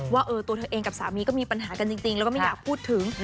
ว่าตัวเธอเองกับสามีก็มีปัญหากันจริงแล้วก็ไม่อยากพูดถึง